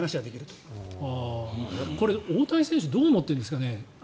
大谷選手はどう思ってるんですかね？